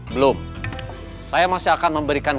belum saya masih akan memberikan